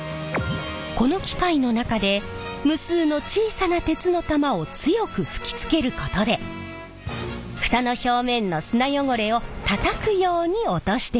この機械の中で無数の小さな鉄の玉を強く吹きつけることで蓋の表面の砂汚れをたたくように落としているんです。